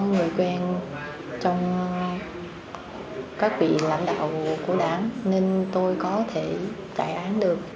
người quen trong các vị lãnh đạo của đảng nên tôi có thể trại án được